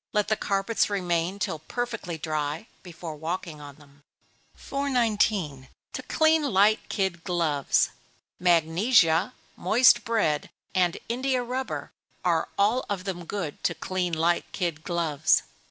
Let the carpets remain till perfectly dry, before walking on them. 419. To clean Light Kid Gloves. Magnesia, moist bread, and India rubber, are all of them good to clean light kid gloves.